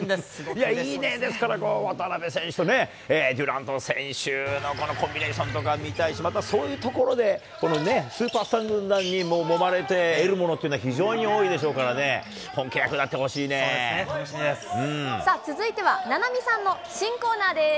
いや、いいね、ですから渡邊選手とデュラント選手のこのコンビネーションとか見たいし、またそういうところで、スーパースターにももまれて得るものというのは非常に多いでしょうからね、本契約になってほしい続いては、菜波さんの新コーナーです。